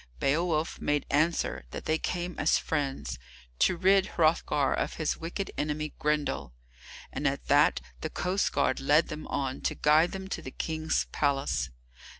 Beowulf made answer that they came as friends, to rid Hrothgar of his wicked enemy Grendel, and at that the coastguard led them on to guide them to the King's palace.